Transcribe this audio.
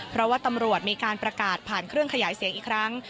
เพราะว่าตำรวจมีการประกาศผ่านเครื่องขยายเสียงอีกครั้ง